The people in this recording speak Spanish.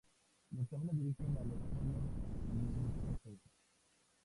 Los caminos dirigen a los pueblos limítrofes.